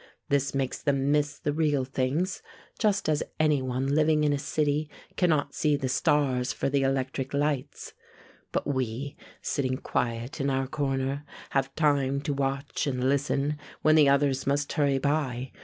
This makes them miss the real things just as any one living in a city cannot see the stars for the electric lights. But we, sitting quiet in our corner, have time to watch and listen, when the others must hurry by.